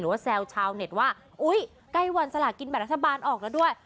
แซวชาวเน็ตว่าอุ๊ยใกล้วันสลากินแบบรัฐบาลออกแล้วด้วย